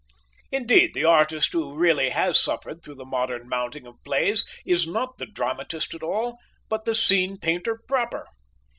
Indeed, the artist who really has suffered through the modern mounting of plays is not the dramatist at all, but the scene painter proper.